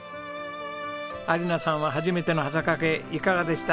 亜梨菜さんは初めてのはざかけいかがでした？